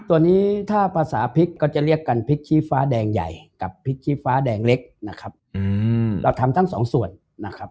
ตัวนี้ถ้าภาษาพริกก็จะเรียกกันพริกชี้ฟ้าแดงใหญ่กับพริกชี้ฟ้าแดงเล็กนะครับเราทำทั้งสองส่วนนะครับ